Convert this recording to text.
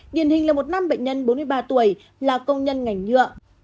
điển hình là một nam bệnh nhân bốn mươi ba tuổi là công nhân ngành nhựa